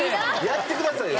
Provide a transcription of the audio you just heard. やってくださいよ